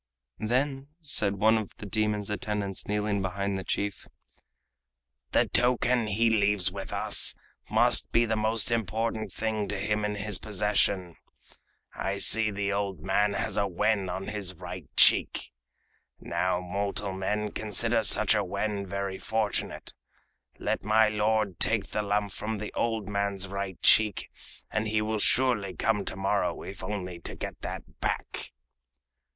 Then said one of the demon's attendants kneeling behind the chief: "The token he leaves with us must be the most important thing to him in his possession. I see the old man has a wen on his right cheek. Now mortal men consider such a wen very fortunate. Let my lord take the lump from the old man's right cheek, and he will surely come to morrow, if only to get that back."